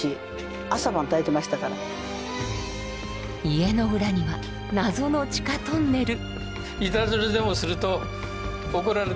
家の裏には謎の地下トンネル。